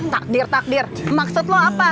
takdir takdir maksud lo apa